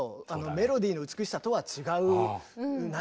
メロディーの美しさとは違う何かがあって。